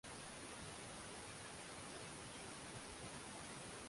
hayo ni kwa mashindano ya hii leo